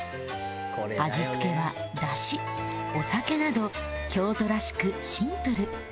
味付けはだしお酒など京都らしくシンプル